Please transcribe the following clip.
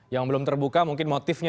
yang belum terbuka mungkin motifnya